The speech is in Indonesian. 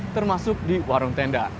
termasuk di warung tenda